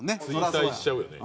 衰退しちゃうよね。